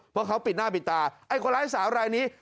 เพราะเขาปิดหน้าปิดตาไอ้คนร้ายสาวรายนี้